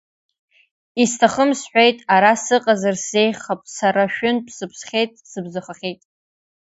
Исҭахым сҳәеит, ара сыҟазар сзеиӷьхап, сара шәынтә сыԥсхьеит, сыбзахахьеит.